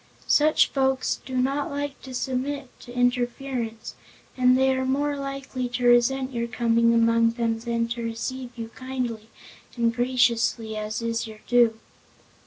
Such folks do not like to submit to interference and they are more likely to resent your coming among them than to receive you kindly and graciously, as is your due."